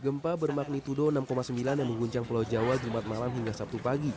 gempa bermagnitudo enam sembilan yang mengguncang pulau jawa jumat malam hingga sabtu pagi